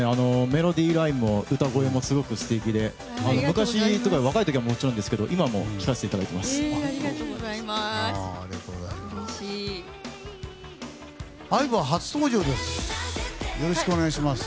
メロディーラインも歌声もすごく素敵で昔若い時はもちろんですけど今も聴かせていただいています。